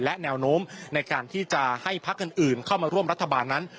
และแนวโน้มในการที่จะให้พักอื่นเข้ามาร่วมรัฐบาลนั้น